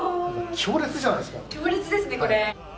強烈ですねこれ。